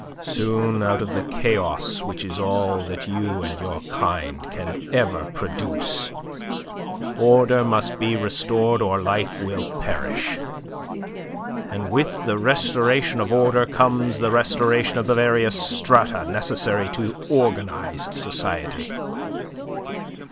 Soon out of the chaos which is all that you and your kind can ever produce, order must be restored or life will perish; and with the restoration of order comes the restoration of the various strata necessary to organized society.